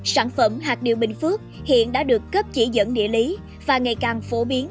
sản phẩm hạt điều bình phước hiện đã được cấp chỉ dẫn địa lý và ngày càng phổ biến